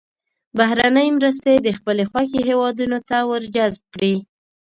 بهرنۍ مرستې د خپلې خوښې هېوادونو ته ور جذب کړي.